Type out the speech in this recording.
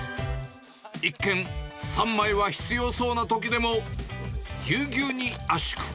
一見、３枚は必要そうなときでも、ぎゅうぎゅうに圧縮。